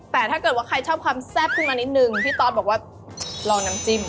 แต่ถ้าเกิดว่าใครชอบความแซ่บขึ้นมานิดนึงพี่ตอสบอกว่าลองน้ำจิ้ม